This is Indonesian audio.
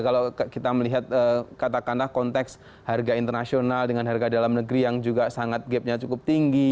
kalau kita melihat katakanlah konteks harga internasional dengan harga dalam negeri yang juga sangat gapnya cukup tinggi